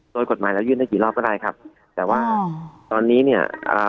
โดยกฎหมายเรายื่นได้กี่รอบก็ได้ครับแต่ว่าตอนนี้เนี่ยอ่า